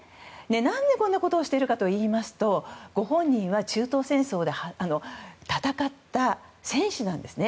何でこんなことをしているかといいますとご本人は中東戦争で戦った、戦士なんですね。